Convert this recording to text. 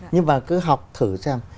nhưng mà cứ học thử xem